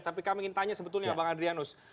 tapi kami ingin tanya sebetulnya bang adrianus